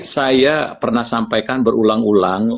saya pernah sampaikan berulang ulang